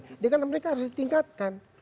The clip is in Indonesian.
jadi kan mereka harus ditingkatkan